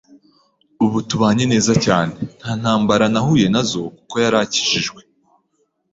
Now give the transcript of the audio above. Ubu tubanye neza cyane! Nta ntambara nahuye nazo kuko yari akijijwe